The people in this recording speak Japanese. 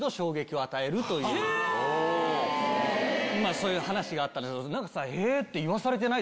そういう話があったんです。